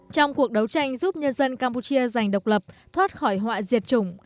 trong cuộc đấu tranh giúp nhân dân campuchia giành độc lập thoát khỏi họa diệt chủng